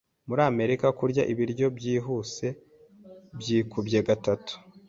Muri Amerika, kurya ibiryo byihuse byikubye gatatu